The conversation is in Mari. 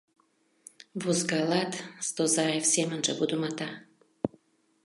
— Возгалат, — Стозаев семынже вудымата.